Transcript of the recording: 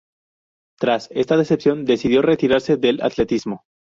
Tras esta decepción, decidió retirarse del atletismo.